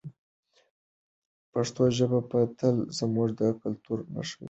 پښتو ژبه به تل زموږ د کلتور نښه وي.